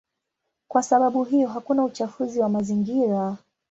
Kwa sababu hiyo hakuna uchafuzi wa mazingira.